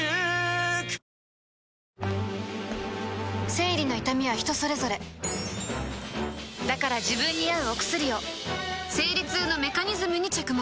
生理の痛みは人それぞれだから自分に合うお薬を生理痛のメカニズムに着目